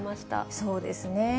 そうですね。